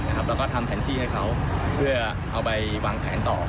แล้วก็ทำแผนที่ให้เขาเพื่อเอาไปวางแผนต่อ